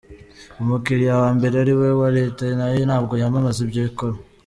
Umukiliya wa mbere ari we Leta nayo ntabwo yamamaza ibyo ikora.